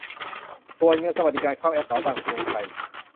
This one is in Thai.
ส่วนเงินสวัสดิการเข้าแอปเป๋าตังค์กรุงไทย